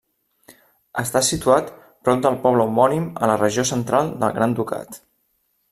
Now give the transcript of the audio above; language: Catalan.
Està situat prop del poble homònim a la regió central del Gran Ducat.